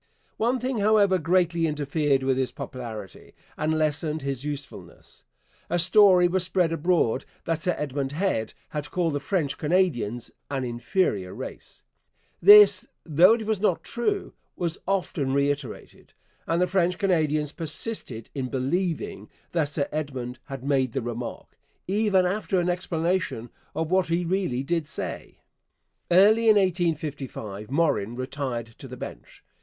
One thing, however, greatly interfered with his popularity and lessened his usefulness. A story was spread abroad that Sir Edmund Head had called the French Canadians 'an inferior race.' This, though it was not true, was often reiterated; and the French Canadians persisted in believing that Sir Edmund had made the remark even after an explanation of what he really did say. Early in 1855 Morin retired to the bench.